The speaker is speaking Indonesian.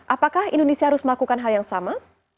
apakah indonesia harus melakukan hal yang sama